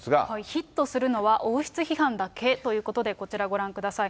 ヒットするのは王室批判だけということで、こちら、ご覧ください。